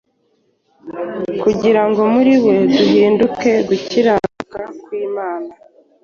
kugira ngo muri we duhinduke gukiranuka kw’Imana".